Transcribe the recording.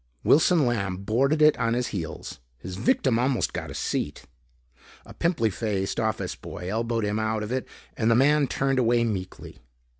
Wilson Lamb boarded it on his heels. His victim almost got a seat. A pimply faced office boy elbowed him out of it and the man turned away meekly.